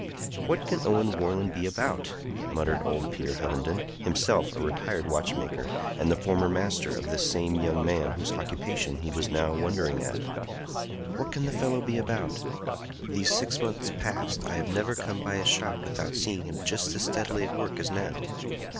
"What can Owen Warland be about?" muttered old Peter Hovenden, himself a retired watchmaker, and the former master of this same young man whose occupation he was now wondering at. "What can the fellow be about? These six months past I have never come by his shop without seeing him just as steadily at work as now.